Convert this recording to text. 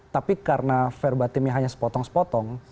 tapi karena verbatimnya hanya sepotong sepotong